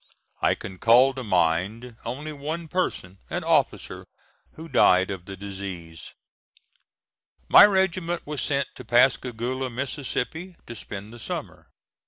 I can call to mind only one person, an officer, who died of the disease. My regiment was sent to Pascagoula, Mississippi, to spend the summer.